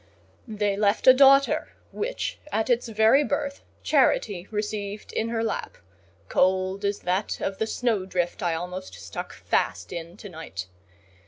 They left a daughter, which, at its very birth, Charity received in her lap—cold as that of the snow drift I almost stuck fast in to night.